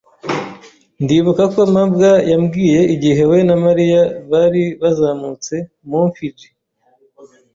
Ndibuka ko mabwa yambwiye igihe we na Mariya bari bazamutse Mt. Fuji.